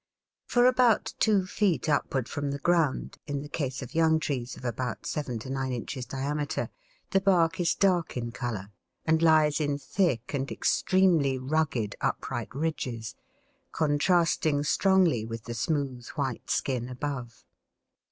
For about two feet upward from the ground, in the case of young trees of about seven to nine inches diameter, the bark is dark in colour, and lies in thick and extremely rugged upright ridges, contrasting strongly with the smooth white skin above.